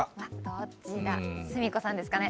どっちだ、寿美子さんですかね。